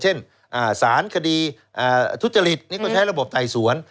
เช่นสารคดีทุจริตนี่ก็ใช้ระบบไต่สวน